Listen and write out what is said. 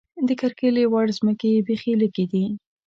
د کرکیلې وړ ځمکې یې بېخې لږې دي.